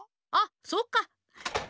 あそっか。